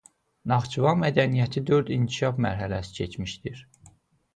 Naxçıvan mədəniyyəti dörd inkişaf mərhələsi keçmişdir.